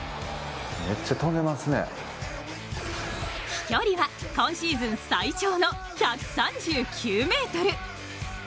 飛距離は今シーズン最長の１９３ｍ。